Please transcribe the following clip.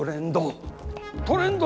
トレンド！